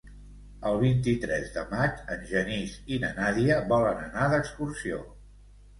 El vint-i-tres de maig en Genís i na Nàdia volen anar d'excursió.